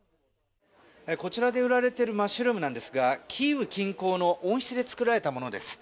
こちらで売られているマッシュルームですがキーウ近郊の温室で作られたものです。